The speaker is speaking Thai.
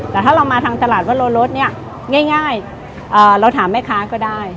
แต่ถ้าเรามาทางตลาดวโลรสเนี่ยง่ายเราถามแม่ค้าก็ได้